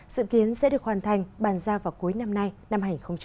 dự kiến sẽ được hoàn thành bàn ra vào cuối năm nay năm hai nghìn hai mươi